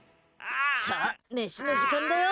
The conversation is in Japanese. さあ、飯の時間だよ。